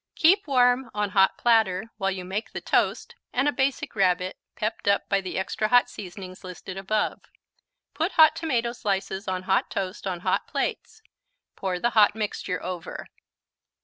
Keep warm on hot platter while you make the toast and a Basic Rabbit, pepped up by the extra hot seasonings listed above. Put hot tomato slices on hot toast on hot plates; pour the hot mixture over.